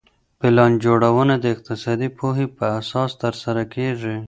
پلان جوړونه د اقتصادي پوهي په اساس ترسره کيږي.